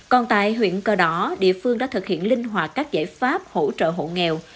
còn tại huyện cờ đỏ địa phương đã thực hiện linh hoạt các giải pháp hỗ trợ hộ nghèo